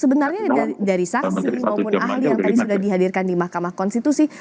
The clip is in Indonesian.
sebenarnya dari saksi maupun ahli yang tadi sudah dihadirkan di mahkamah konstitusi